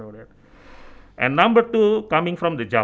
dan nomor dua datang dari pulau java